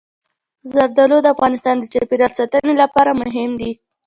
زردالو د افغانستان د چاپیریال ساتنې لپاره مهم دي.